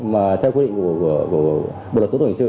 mà theo quyết định của bộ lật tổ tục hình sự